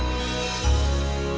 buat mereka mara